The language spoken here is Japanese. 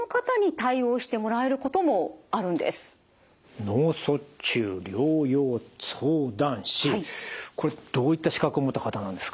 これどういった資格を持った方なんですか？